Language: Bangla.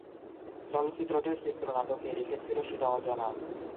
চলচ্চিত্রটির চিত্রনাট্য কে লিখেছিল সেটা অজানা।